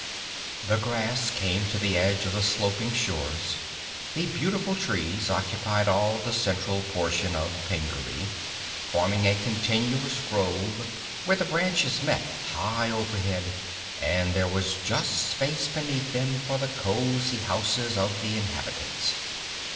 The grass came to the edge of the sloping shores; the beautiful trees occupied all the central portion of Pingaree, forming a continuous grove where the branches met high overhead and there was just space beneath them for the cosy houses of the inhabitants.